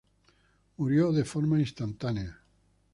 Murió de forma instantánea.